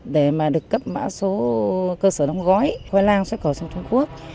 để mà được cấp mã số cơ sở đóng gói khoai lang xuất khẩu sang trung quốc